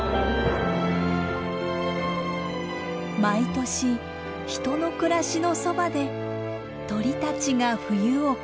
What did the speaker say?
毎年人の暮らしのそばで鳥たちが冬を越します。